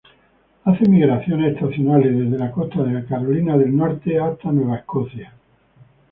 Hace migraciones estacionales de la costa de Carolina del Norte hasta Nueva Escocia.